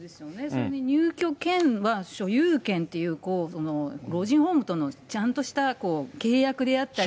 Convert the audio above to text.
それに、入居権は、所有権という老人ホームとのちゃんとした契約であったり。